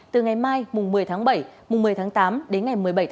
từ ngày mai một mươi bảy một mươi tám đến một mươi bảy tám